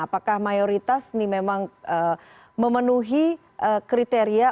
apakah mayoritas ini memang memenuhi kriteria